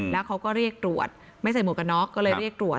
แล้วเขาก็เรียกตรวจไม่ใส่หมวกกันน็อกก็เลยเรียกตรวจ